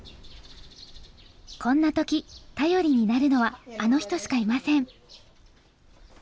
こんな時頼りになるのはあの人しかいません。